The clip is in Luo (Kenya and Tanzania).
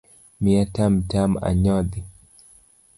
Miya tam tam anyodhi.